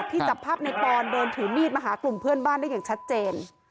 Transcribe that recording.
จับภาพในปอนเดินถือมีดมาหากลุ่มเพื่อนบ้านได้อย่างชัดเจน